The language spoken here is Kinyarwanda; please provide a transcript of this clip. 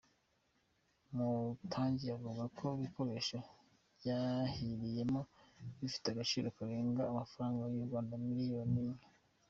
Mutangi avuga ko ibikoresho byahiriyemo bifite agaciro karenga amafaranga y’u Rwanda miliyoni imwe.